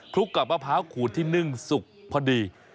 ลุกกับมะพร้าวขูดที่นึ่งสุกพอดี